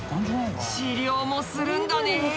治療もするんだね。